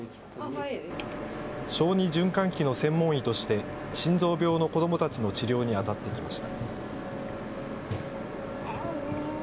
小児循環器の専門医として、心臓病の子どもたちの治療に当たってきました。